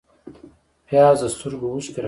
پیاز د سترګو اوښکې راوړي